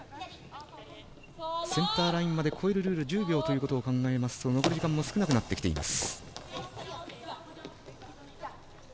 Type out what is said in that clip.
センターラインまで越えるルール１０秒ということを考えますと残り時間も少なくなっています。